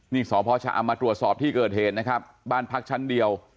นี่สพชะอำมาตรวจสอบที่เกิดเหตุนะครับบ้านพักชั้นเดียว